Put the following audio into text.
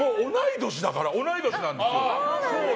同い年なんですよ。